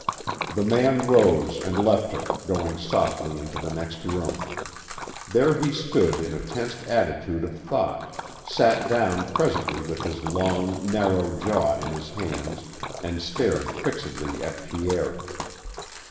The man rose and left her, going softly into the next room. There he stood in a tense attitude of thought, sat down presently with his long, narrow jaw in his hands and stared fixedly at Pierre.